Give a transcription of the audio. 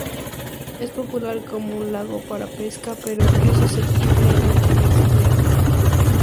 Es popular como un lago para pesca, pero es susceptible al clima extremo.